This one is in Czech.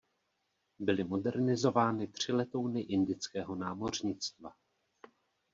Byly modernizovány tři letouny indického námořnictva.